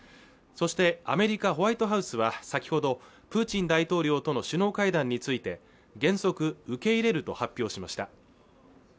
そしてアメリカ・ホワイトハウスは先ほどプーチン大統領との首脳会談について原則受け入れると発表しました